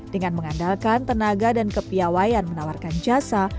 dengan mengandalkan tenaga dan kepiawaian menawarkan jasa